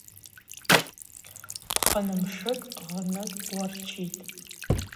Пхынмшыкӏ гъныкӏ уарчитӏ.